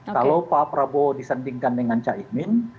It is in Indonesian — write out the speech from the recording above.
kalau pak prabowo disandingkan dengan caimin